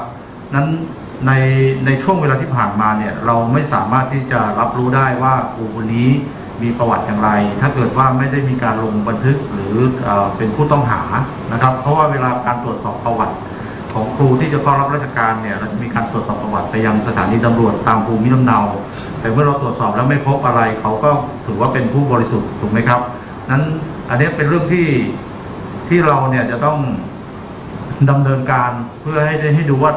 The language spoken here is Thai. เพราะว่านั้นในในช่วงเวลาที่ผ่านมาเนี้ยเราไม่สามารถที่จะรับรู้ได้ว่าครูคนนี้มีประวัติอย่างไรถ้าเกิดว่าไม่ได้มีการลงบันทึกหรืออ่าเป็นผู้ต้องหานะครับเพราะว่าเวลาการตรวจสอบประวัติของครูที่จะต้องรับรัชการเนี้ยเราจะมีการตรวจสอบประวัติไปยังสถานีดำรวจตามครูมิดำเนาแต่เมื่อเราตรวจส